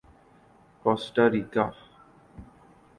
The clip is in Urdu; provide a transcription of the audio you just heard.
کوسٹا ریکا